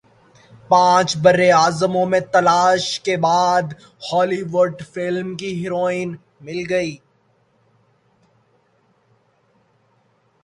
پانچ براعظموں میں تلاش کے بعد ہولی وڈ فلم کی ہیروئن مل گئی